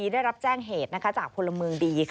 ได้รับแจ้งเหตุจากพลเมืองดี